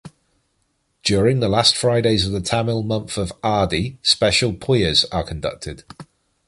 During the last Fridays of the Tamil month of Aadi special pujas are conducted.